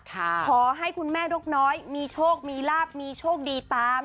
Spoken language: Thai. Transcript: ขอให้คุณแม่นกน้อยมีโชคมีลาบมีโชคดีตาม